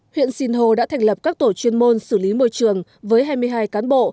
huyện sinh hồ đã thành lập các tổ chuyên môn xử lý môi trường với hai mươi hai cán bộ